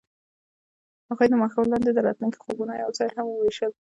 هغوی د ماښام لاندې د راتلونکي خوبونه یوځای هم وویشل.